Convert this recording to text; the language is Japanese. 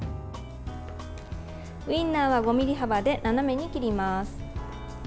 ウインナーは５ｍｍ幅で斜めに切ります。